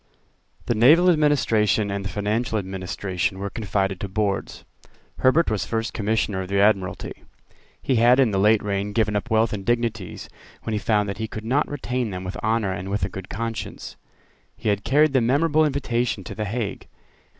The naval administration and the financial administration were confided to Boards. Herbert was First Commissioner of the Admiralty. He had in the late reign given up wealth and dignities when he found that he could not retain them with honour and with a good conscience. He had carried the memorable invitation to the Hague.